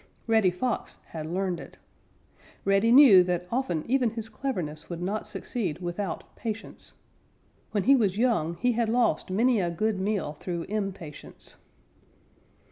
Reddy Fox had learned it. Reddy knew that often even his cleverness would not succeed without patience. When he was young he had lost many a good meal through impatience.